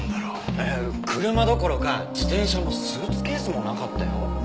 車どころか自転車もスーツケースもなかったよ。